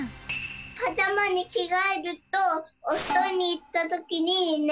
パジャマにきがえるとおふとんにいったときにね